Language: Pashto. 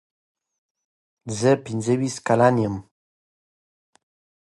نجونې له کلونو راهیسې د زده کړې غوښتنه کوي.